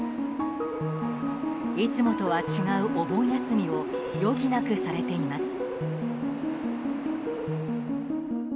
いつもとは違うお盆休みを余儀なくされています。